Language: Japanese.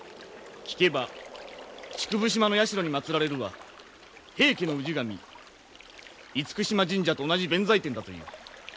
聞けば竹生島の社に祭られるは平家の氏神厳島神社と同じ弁財天だという。